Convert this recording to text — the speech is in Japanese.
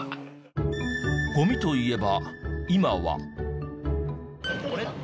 ゴミといえば今は。